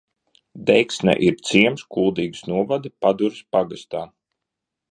Deksne ir ciems Kuldīgas novada Padures pagastā.